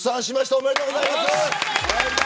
おめでとうございます。